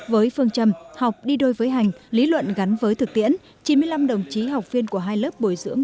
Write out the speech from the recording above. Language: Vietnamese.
với phương châm học đi đôi với hành lý luận gắn với thực tiễn chín mươi năm đồng chí học viên của hai lớp bồi dưỡng